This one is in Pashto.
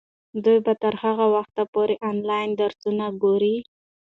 دوی به تر هغه وخته پورې انلاین درسونه ګوري.